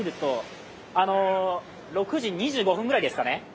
６時２５分ぐらいですね。